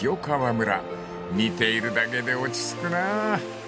［見ているだけで落ち着くなあ］